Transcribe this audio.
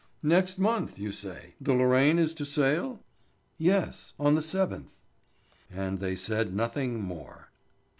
"Next month, you say, the Lorraine is to sail?" "Yes. On the 7th." And they said nothing more.